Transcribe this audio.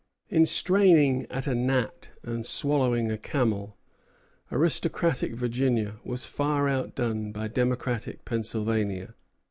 In straining at a gnat and swallowing a camel, aristocratic Virginia was far outdone by democratic Pennsylvania.